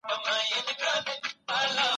سياستپوهنه تيوري ده خو سياست بيا عملي بڼه لري.